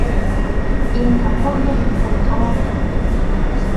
Inka Qulla rikhurirqamusqa.